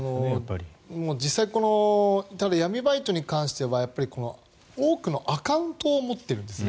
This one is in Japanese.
実際闇バイトに関しては多くのアカウントを持っているんですね。